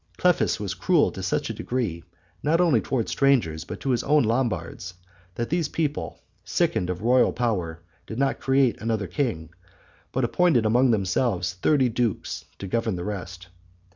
Clefis was cruel to such a degree, not only toward strangers, but to his own Lombards, that these people, sickened of royal power, did not create another king, but appointed among themselves thirty dukes to govern the rest.